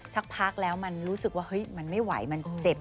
สักพักแล้วมันรู้สึกว่าเฮ้ยมันไม่ไหวมันเจ็บ